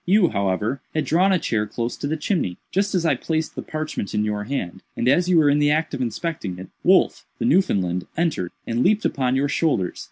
You, however, had drawn a chair close to the chimney. Just as I placed the parchment in your hand, and as you were in the act of inspecting it, Wolf, the Newfoundland, entered, and leaped upon your shoulders.